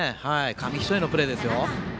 紙一重のプレーですよ。